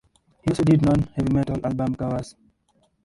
He also did non-heavy metal album covers.